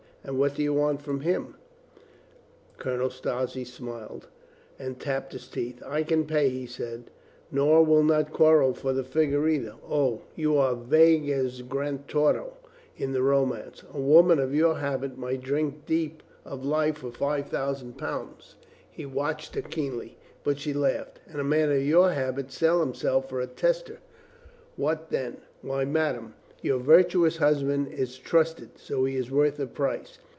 "And what do you want of him?" Colonel Strozzi smiled and tapped his teeth. "I can pay," he said. "Nor we'll not quarrel for the figure, neither." "O, you are vague as Grantorto in the romance*" "A woman of your habit might drink deep of 334 COLONEL GREATHEART life for a five thousand pound." He watched her keenly. But she laughed. "And a man of your habit sell himself for a tester. What then?" "Why, madame, your virtuous husband is trust ed. So he is worth a price.